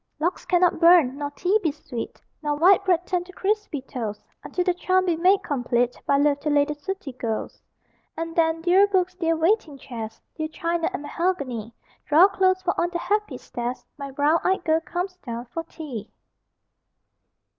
Logs cannot burn, nor tea be sweet, Nor white bread turn to crispy toast, Until the charm be made complete By love, to lay the sooty ghost. And then, dear books, dear waiting chairs, Dear china and mahogany, Draw close, for on the happy stairs My brown eyed girl comes down for tea!